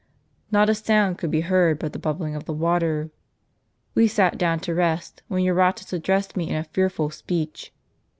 JSTot a sound could be heard but the bubbling of the water. "We sat down to rest, when Eurotas addressed me in a fearful speech.